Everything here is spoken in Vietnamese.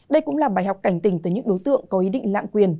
đây cũng là bài học cảnh tình tới những đối tượng có ý định lạm quyền